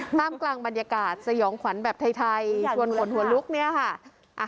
ท่ามกลางบรรยากาศสยองขวัญแบบไทยชวนขนหัวลุกเนี่ยค่ะ